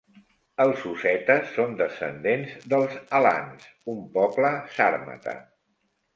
Els ossetes són descendents dels alans, un poble sàrmata.